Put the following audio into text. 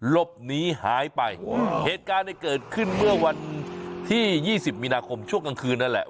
หลบหนีหายไปเหตุการณ์เนี่ยเกิดขึ้นเมื่อวันที่๒๐มีนาคมช่วงกลางคืนนั่นแหละ